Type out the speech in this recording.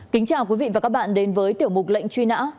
kính chào quý vị và các bạn đến với tiểu mục lệnh truy nã